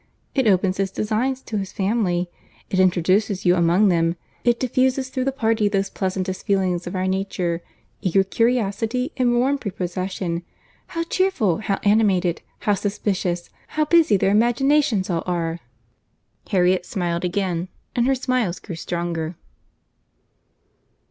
It opens his designs to his family, it introduces you among them, it diffuses through the party those pleasantest feelings of our nature, eager curiosity and warm prepossession. How cheerful, how animated, how suspicious, how busy their imaginations all are!" Harriet smiled again, and her smiles grew stronger.